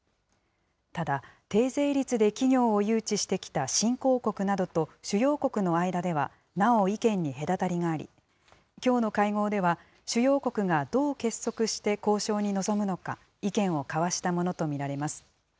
ただ、低税率で企業を誘致してきた新興国などと主要国の間では、なお、意見に隔たりがあり、きょうの会合では、主要国がどう結束して交渉に臨むのか、意見を交わしたものと見られます。